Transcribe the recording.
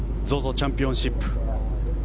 チャンピオンシップ。